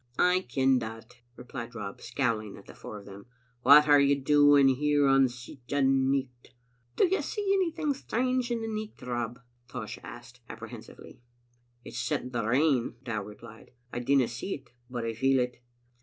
"I ken that," replied Rob, scowling at the four of them. " What are you doing here on sic a nicht?" "Do you see anything strange in the nicht, Rob?" Tosh asked apprehensively. " It's setting to rain," Dow replied. " I dinna see it, but I feel it."